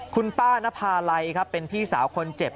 คุณป้านภาลัยครับเป็นพี่สาวคนเจ็บ